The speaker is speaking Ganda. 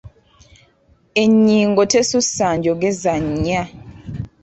Ennyingo tesussa njogeza nnya.